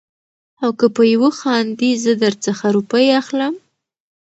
او که په يوه خاندې زه در څخه روپۍ اخلم.